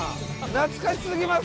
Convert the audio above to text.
懐かしすぎます。